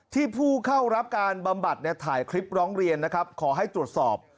ที่ผู้เข้ารับการบำบัดถ่ายคลิปร้องเรียนขอให้ตรวจสอบ